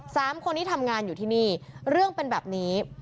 สามคนนี้ทำงานอยู่ที่นี่เรื่องเป็นแบบนี้